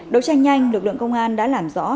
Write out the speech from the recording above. đấu tranh nhanh lực lượng công an đã làm rõ